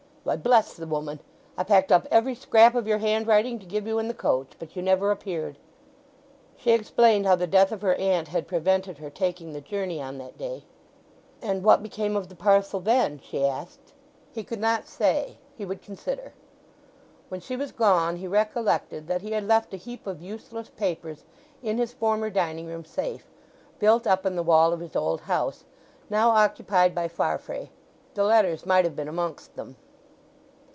"Why, bless the woman!—I packed up every scrap of your handwriting to give you in the coach—but you never appeared." She explained how the death of her aunt had prevented her taking the journey on that day. "And what became of the parcel then?" she asked. He could not say—he would consider. When she was gone he recollected that he had left a heap of useless papers in his former dining room safe—built up in the wall of his old house—now occupied by Farfrae. The letters might have been amongst them.